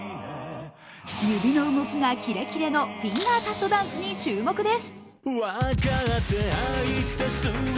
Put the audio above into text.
指の動きがキレキレのフィンガータットダンスに注目です。